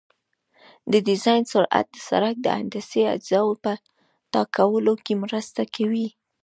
د ډیزاین سرعت د سرک د هندسي اجزاوو په ټاکلو کې مرسته کوي